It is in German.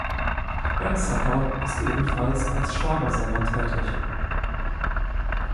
Ben Zucker ist ebenfalls als Schlagersänger tätig.